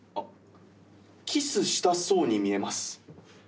キスしたそうに見えます。